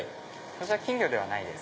そちら金魚ではないです。